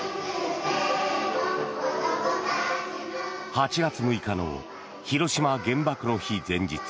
８月６日の広島原爆の日前日。